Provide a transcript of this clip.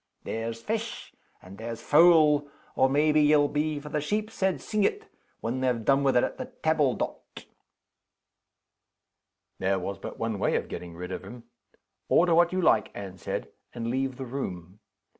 There's fesh and there's fowl or, maybe, ye'll be for the sheep's head singit, when they've done with it at the tabble dot?" There was but one way of getting rid of him: "Order what you like," Anne said, "and leave the room."